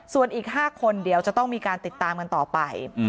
ส่วนอีก๕คนเดี๋ยวจะต้องมีการติดตามกันต่อไป